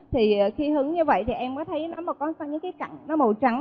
thì khi hứng như vậy thì em có thấy nó mà có những cái cặn nó màu trắng